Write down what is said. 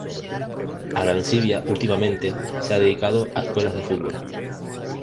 Arancibia últimamente se ha dedicado a escuelas de fútbol.